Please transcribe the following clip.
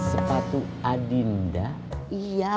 sepatu adinda iya